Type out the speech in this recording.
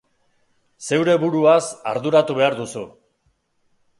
Zeure buruaz arduratu behar duzu.